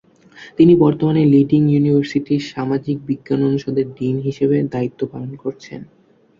তিনি বর্তমানে লিডিং ইউনিভার্সিটির সামাজিক বিজ্ঞান অনুষদের ডীন হিসেবে দায়িত্ব পালন করছেন।